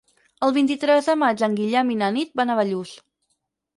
El vint-i-tres de maig en Guillem i na Nit van a Bellús.